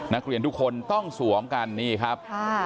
นักเรียนทุกคนต้องสวมกันนี่ครับ